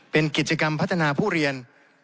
เป็นกิจกรรมพัฒนาผู้เรียน